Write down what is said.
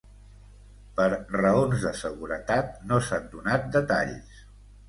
Per raons de seguretat no se n’han donat detalls.